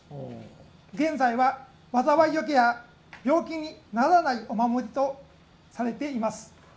現在は災いよけや病気にならないお守りとされています。